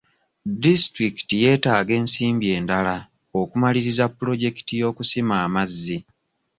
Disitulikiti yeetaaga ensimbi endala okumaliriza pulojekiti y'okusima amazzi.